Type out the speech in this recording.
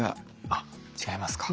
あっ違いますか？